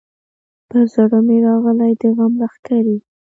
پر زړه مي راغلې د غم لښکري